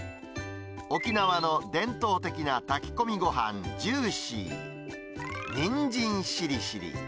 沖縄の伝統的な炊き込みごはん、ジューシー、にんじんしりしり、